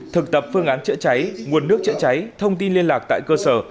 thực tập phương án chữa cháy nguồn nước chữa cháy thông tin liên lạc tại cơ sở